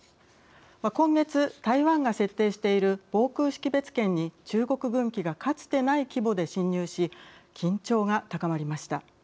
今月台湾が設定している防空識別圏に中国軍機がかつてない規模で進入し緊張が高まりました。